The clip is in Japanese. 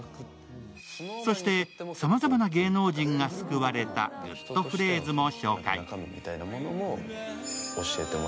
そして、さまざまな芸能人が救われたグッとフレーズも紹介。